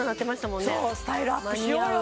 もんねスタイルアップしようよ